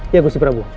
ya gusti prabu